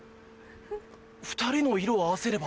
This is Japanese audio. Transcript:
２人の色を合わせれば。